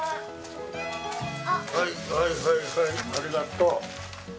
はいはいありがとう。